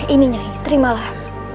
ini nyai terimalah